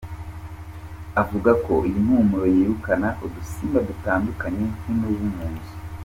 Avuga ko iyi mpumuro yirukana udusimba dutandukanye nk’imibu mu nzu.